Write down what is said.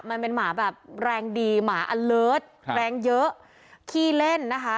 มันเป็นหมาแบบแรงดีหมาอัเลิศแรงเยอะขี้เล่นนะคะ